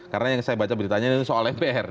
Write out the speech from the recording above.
karena yang saya baca beritanya soal mpr